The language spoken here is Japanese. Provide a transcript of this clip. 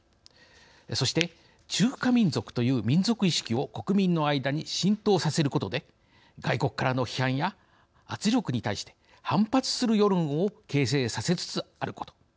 そして中華民族という民族意識を国民の間に浸透させることで外国からの批判や圧力に対して反発する世論を形勢させつつあること。